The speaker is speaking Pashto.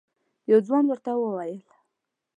یو ځوان ورته وویل: